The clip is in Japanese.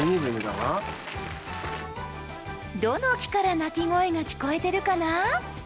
どの木から鳴き声が聞こえてるかな？